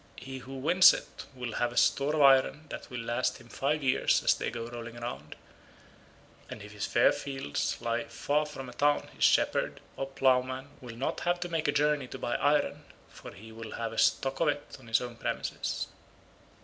He who wins it will have a store of iron that will last him five years as they go rolling round, and if his fair fields lie far from a town his shepherd or ploughman will not have to make a journey to buy iron, for he will have a stock of it on his own premises."